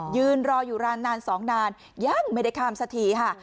ยืนรออยู่นาน๒นานยังไม่ได้ข้ามสักทีค่ะ